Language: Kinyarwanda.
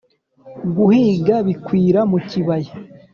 guhiga bikwira mu kibaya